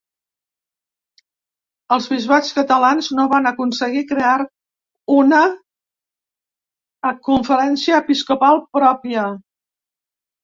Els bisbats catalans no van aconseguir crear uan Conferència Episcopal pròpia.